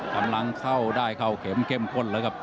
กำลังเข้าได้เข้าเข็มเข้มข้นเลยครับ